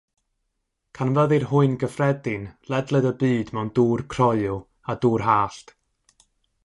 Canfyddir hwy'n gyffredin ledled y byd mewn dŵr croyw a dŵr hallt.